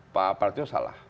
pak partino salah